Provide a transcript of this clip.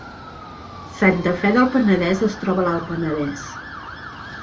Santa Fe del Penedès es troba a l’Alt Penedès